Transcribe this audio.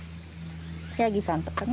ヤギさんとかね。